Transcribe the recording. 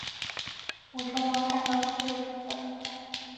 舞城王太郎是日本的小说家。